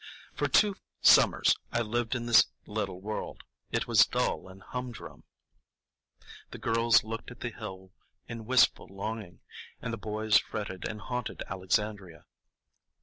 For two summers I lived in this little world; it was dull and humdrum. The girls looked at the hill in wistful longing, and the boys fretted and haunted Alexandria.